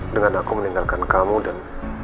dengan aku meninggalkan kamu dan